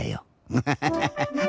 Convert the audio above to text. ウハハハハ。